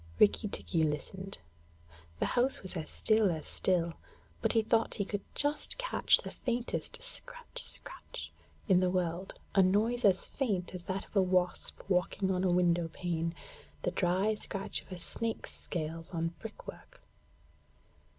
Rikki tikki listened. The house was as still as still, but he thought he could just catch the faintest scratch scratch in the world, a noise as faint as that of a wasp walking on a window pane, the dry scratch of a snake's scales on brickwork.